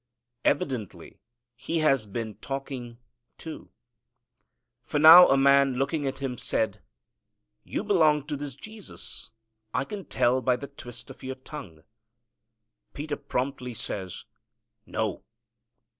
Evidently he has been talking, too. For now a man looking at him, said, "You belong to this Jesus. I can tell by the twist of your tongue." Peter promptly says, "No."